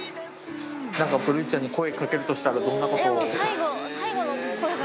なんかブルーちゃんに声をかけるとしたらどんなことを？